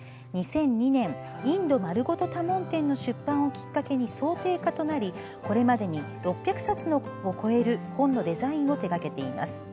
２００２年「インド・まるごと多聞典」の出版をきっかけに装丁家となりこれまでに６００冊を超える本のデザインを手がけています。